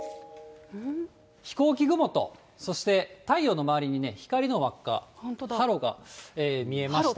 飛行機雲と、そして太陽の周りにね、光の輪っか、ハロが見えました。